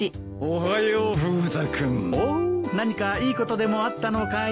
おお何かいいことでもあったのかい？